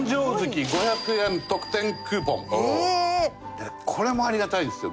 でねこれもありがたいんですよ。